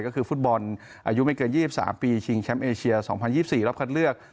ก็คือฟุตบอลอายุไม่เกิน๒๓ปีชิงแชมป์เอเชีย๒๐๒๔รอบคัดเลือก